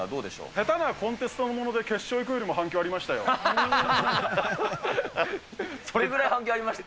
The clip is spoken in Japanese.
下手なコンテストもので決勝それぐらい反響ありました？